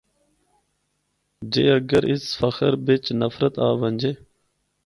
جے اگر اس فخر بچ نفرت آونجے۔